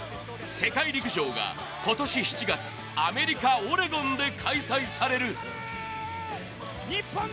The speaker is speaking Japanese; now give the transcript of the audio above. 世界陸上が今年７月、アメリカ・オレゴンで開催される。